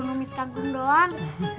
baru numis kagum doang